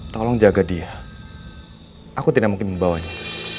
tolong jaga dia aku tidak mungkin membawanya